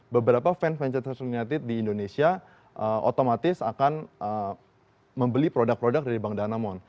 beberapa fan venture united di indonesia otomatis akan membeli produk produk dari bank danamon